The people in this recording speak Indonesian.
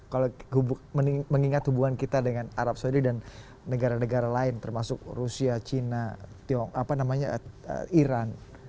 kalau mengingat hubungan kita dengan arab saudi dan negara negara lain termasuk rusia cina tiongkok apa namanya iran